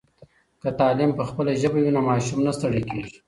که تعلیم په خپله ژبه وي نو ماشوم نه ستړی کېږي.